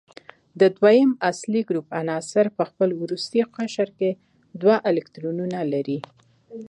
د دویم اصلي ګروپ عناصر په خپل وروستي قشر کې دوه الکترونونه لري.